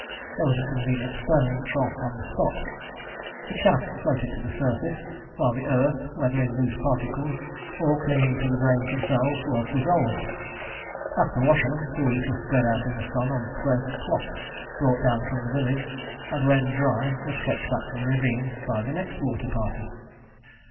There was a convenient stone trough on the spot. The chaff floated to the surface, while the earth, whether in loose particles or clinging to the grains themselves, was dissolved. After washing, the wheat was spread out in the sun on squares of cloth brought down from the village, and when dry was fetched back to the ravine by the next water party.